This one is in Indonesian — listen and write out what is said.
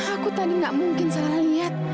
aku tadi gak mungkin salah lihat